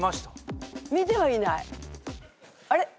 あれ？